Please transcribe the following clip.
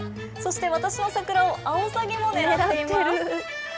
そして、私のサクラをアオサギも狙っています。